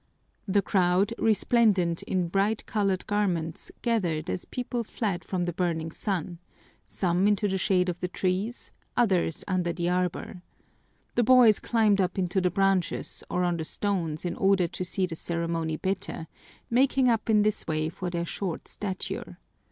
The crowd, resplendent in bright colored garments, gathered as people fled from the burning sun, some into the shade of the trees, others under the arbor. The boys climbed up into the branches or on the stones in order to see the ceremony better, making up in this way for their short stature.